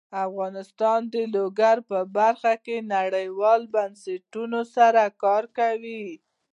افغانستان د لوگر په برخه کې نړیوالو بنسټونو سره کار کوي.